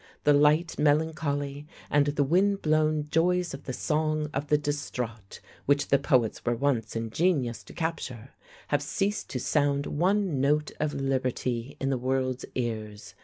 The light melancholy and the wind blown joys of the song of the distraught, which the poets were once ingenious to capture, have ceased to sound one note of liberty in the world's ears.